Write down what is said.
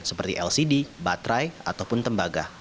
seperti lcd baterai ataupun tembaga